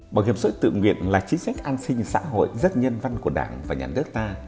bảo hiểm xã hội tự nguyện là chính sách an sinh xã hội rất nhân văn của đảng và nhà nước ta